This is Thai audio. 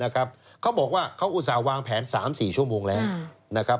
นะครับเขาบอกว่าเขาอุตส่าห์วางแผนสามสี่ชั่วโมงแล้วอ่านะครับ